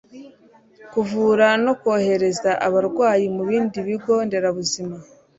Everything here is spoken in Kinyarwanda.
kuvura no kohereza abarwayi mu bindi bigo nderabuzima